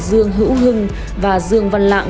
dương hữu hưng và dương văn lạng